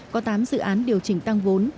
có tám dự án điều chỉnh tăng vốn